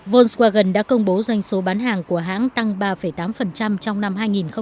volkswagen đã công bố doanh số bán hàng của hãng tăng ba tám trong năm hai nghìn một mươi chín